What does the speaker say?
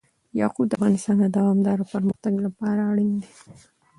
یاقوت د افغانستان د دوامداره پرمختګ لپاره اړین دي.